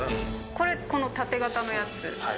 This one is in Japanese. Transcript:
これこの縦型のやつ。